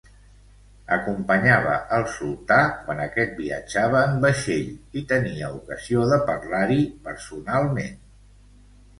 Acompanyava al sultà quan aquest viatjava en vaixell i tenia ocasió de parlar-hi personalment.